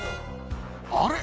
あれ？